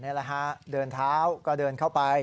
นี่แหละฮะเดินเท้าก็เดินเข้าไป